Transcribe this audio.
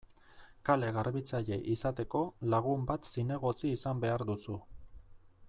Kale-garbitzaile izateko, lagun bat zinegotzi izan behar duzu.